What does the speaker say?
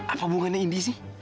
apa hubungannya indi sih